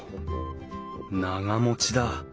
長持ちだ。